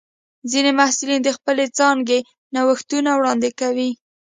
ځینې محصلین د خپلې څانګې نوښتونه وړاندې کوي.